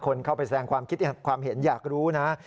คนเข้าไปแสดงความเห็นอยากรู้นะ